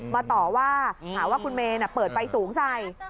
มาต่อว่าหาว่าคุณเมย์เปิดไฟสูงใส่